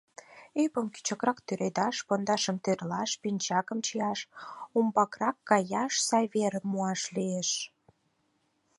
Ӱпым кӱчыкрак тӱредаш, пондашым тӧрлаш, пинчакым чияш, умбакрак каяш, сай верым муаш лиеш.